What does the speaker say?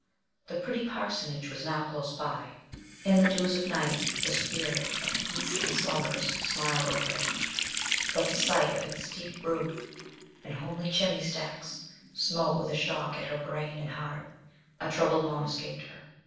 The pretty parsonage was now close by: in the dews of night the spirit of peace and slumbers smiled over it; but the sight of its steep roof and homely chimney stacks smote with a shock at her brain and heart a troubled moan escaped her.